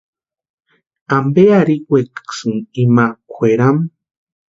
¿Ampe arhikwekasïnki ima kwʼeramu?